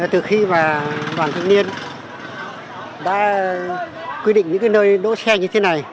từ khi mà đoạn thượng niên đã quy định những nơi đỗ xe như thế này